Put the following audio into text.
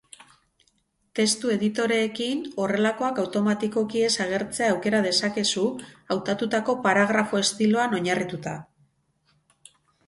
Testu-editoreekin, horrelakoak automatikoki ez agertzea aukera dezakezu, hautatutako paragrafo-estiloan oinarrituta.